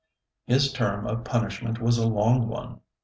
His term of punishment was a long one.